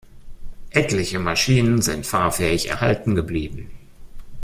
Etliche Maschinen sind fahrfähig erhalten geblieben.